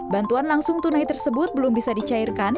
bantuan langsung tunai tersebut belum bisa dicairkan